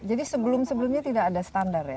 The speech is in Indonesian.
jadi sebelum sebelumnya tidak ada standar ya